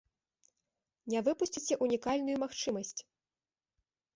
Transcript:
Не выпусціце унікальную магчымасць!